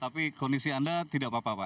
tapi kondisi anda tidak apa apa pak